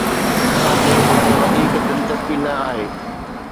اسان کي ان ۾ وڌيڪ دلچسپي نه آهي.